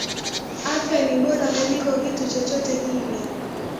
Afya ni bora kuliko kitu chcochote kile